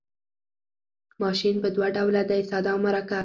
ماشین په دوه ډوله دی ساده او مرکب.